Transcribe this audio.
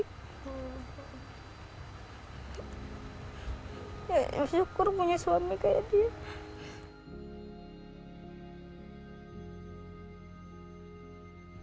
ya bersyukur punya suami kayak dia